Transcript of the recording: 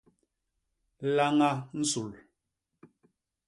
Laña nsul.